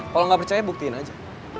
kalau nggak percaya buktiin aja